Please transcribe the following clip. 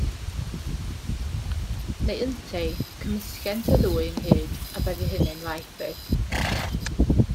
Neu ynteu, cymysgent y ddwy ynghyd, a byddai hynny'n waeth fyth.